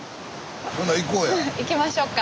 行きましょうか。